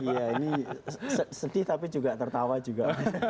iya ini sedih tapi juga tertawa juga